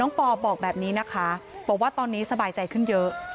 ปอบอกแบบนี้นะคะบอกว่าตอนนี้สบายใจขึ้นเยอะ